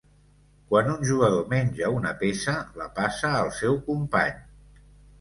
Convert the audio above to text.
Quan un jugador menja una peça, la passa al seu company.